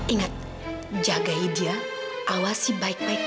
ingat jagai dia awasi baik baik